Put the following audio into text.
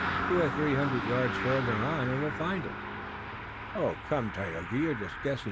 "Two or three hundred yards farther on and we'll find it." "Come, Tayoga, you're just guessing.